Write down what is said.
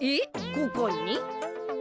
ここに？